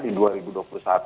di dua ribu dua puluh satu